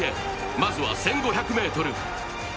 まずは１５００ｍ。